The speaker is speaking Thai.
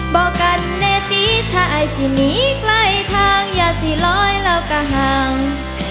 บอกกันแน่ตีถ้าไอ้สิหนีใกล้ทางอย่าสิลอยแล้วก็ห่าง